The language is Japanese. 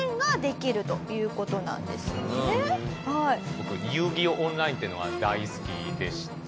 僕『遊戯王オンライン』っていうのが大好きでして。